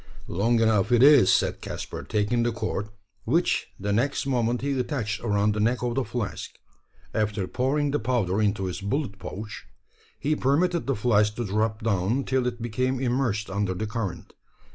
"Long enough, it is," said Caspar, taking the cord; which the next moment he attached around the neck of the flask. After pouring the powder into his bullet pouch, he permitted the flask to drop down till it became immersed under the current.